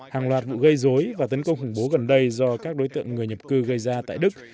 hàng loạt vụ gây dối và tấn công khủng bố gần đây do các đối tượng người nhập cư gây ra tại đức